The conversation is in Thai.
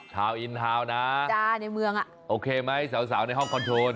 ทาวน์อินทาวน์น้าจ้าในเมืองอะโอเคมั้ยเสาในห้องค้อนโทน